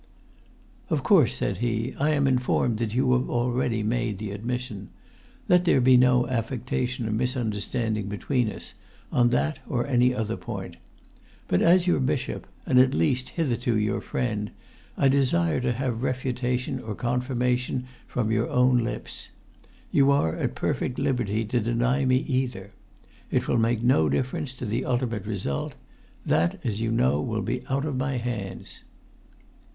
"Of course," said he, "I am informed that you have already made the admission. Let there be no affectation or misunderstanding between us, on that or any[Pg 69] other point. But as your bishop, and at least hitherto your friend, I desire to have refutation or confirmation from your own lips. You are at perfect liberty to deny me either. It will make no difference to the ultimate result. That, as you know, will be out of my hands."